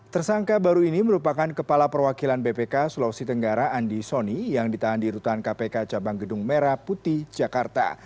tersangka baru ini merupakan kepala perwakilan bpk sulawesi tenggara andi soni yang ditahan di rutan kpk cabang gedung merah putih jakarta